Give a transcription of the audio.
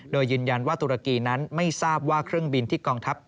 โดยยืนยันว่าตุรกีนั้นไม่ทราบว่าเครื่องบินที่กองทัพ